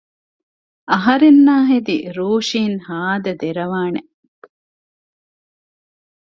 އަހަރެންނާހެދި ރޫޝިން ހާދަ ދެރަވާނެ